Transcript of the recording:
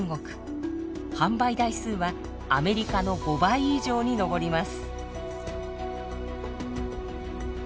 販売台数はアメリカの５倍以上に上ります。